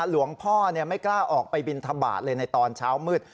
หลวงพ่อไม่กล้าออกไปบินทบาทเลยในตอนเช้ามืด